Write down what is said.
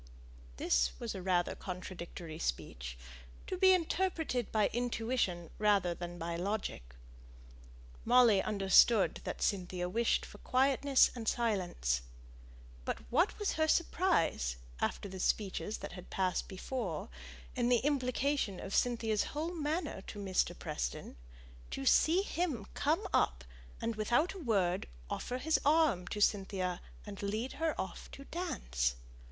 This was a rather contradictory speech, to be interpreted by intuition rather than by logic. Molly understood that Cynthia wished for quietness and silence. But what was her surprise, after the speeches that had passed before, and the implication of Cynthia's whole manner to Mr. Preston, to see him come up to her, and, without a word, offer his arm and lead her away to dance.